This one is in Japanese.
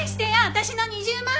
私の２０万！